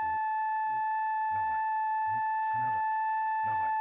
長い。